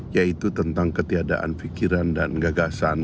yaitu tentang ketiadaan pikiran dan gagasan